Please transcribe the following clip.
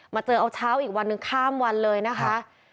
มาเจอเอาเช้าอีกวันหนึ่งข้ามวันเลยนะคะ